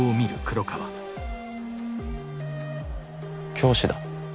教師だ。